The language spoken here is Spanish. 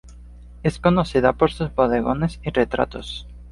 Es conocida por sus bodegones y retratos.